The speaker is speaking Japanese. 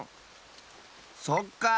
そっかあ。